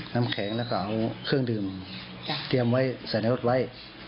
น้ำแข็งแล้วก็เอาเครื่องดื่มเตรียมไว้ใส่ในรถไว้